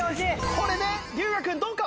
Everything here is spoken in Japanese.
これで龍我君どうか？